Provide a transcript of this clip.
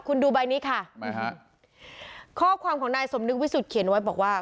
คุณดูใบนี้ค่ะไหมฮะข้อความของนายสมนึกวิสุทธิเขียนไว้บอกว่า